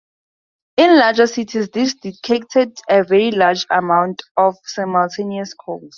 In larger cities this dictated a very limited number of simultaneous calls.